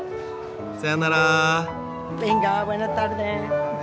さよなら！